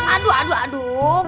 aduh aduh aduh